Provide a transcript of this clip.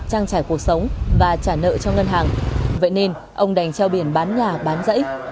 trang trải cuộc sống và trả nợ cho ngân hàng vậy nên ông đành treo biển bán nhà bán rẫy